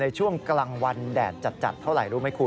ช่วงกลางวันแดดจัดเท่าไหร่รู้ไหมคุณ